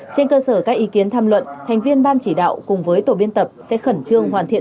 trên cơ sở các ý kiến tham luận thành viên ban chỉ đạo cùng với tổ biên tập sẽ khẩn trương hoàn thiện